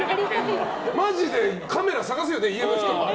マジでカメラ探すよね家の人が。